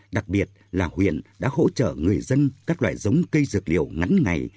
đặc biệt là huyện đã hỗ trợ người dân các loại giống cây dược liệu ngắn ngày